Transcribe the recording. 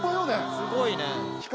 すごいな。